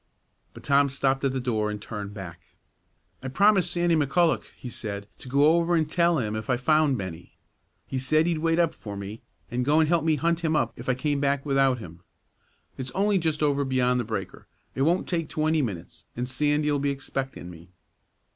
But Tom stopped at the door and turned back. "I promised Sandy McCulloch," he said, "to go over an' tell him if I found Bennie. He said he'd wait up for me, an' go an' help me hunt him up if I came back without him. It's only just over beyond the breaker; it won't take twenty minutes, an' Sandy'll be expectin' me."